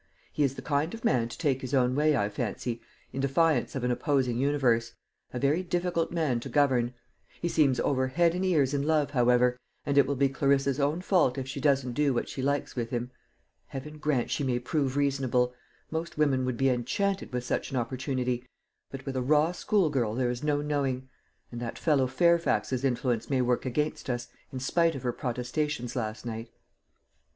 He is the kind of man to take his own way, I fancy, in defiance of an opposing universe a very difficult man to govern. He seems over head and ears in love, however, and it will be Clarissa's own fault if she doesn't do what she likes with him. Heaven grant she may prove reasonable! Most women would be enchanted with such an opportunity, but with a raw school girl there is no knowing. And that fellow Fairfax's influence may work against us, in spite of her protestations last night."